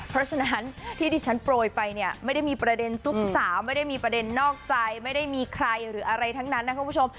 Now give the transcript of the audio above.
เพราะฉะนั้นที่ที่ฉันโปรยไปเนี่ยไม่ได้มีประเด็นซุปสาวไม่ได้มีประเด็นนอกใจไม่ได้มีใครหรืออะไรทั้งนั้นนะครับคุณผู้ชม